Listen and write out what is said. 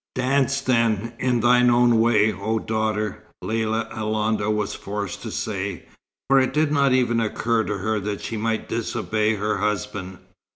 "Dance then, in thine own way, O daughter," Lella Alonda was forced to say; for it did not even occur to her that she might disobey her husband.